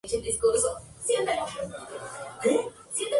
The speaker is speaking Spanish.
Dichos ingredientes suelen tener procedencia de la huerta murciana.